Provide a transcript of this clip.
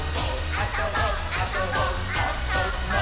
「あそぼあそぼあ・そ・ぼっ」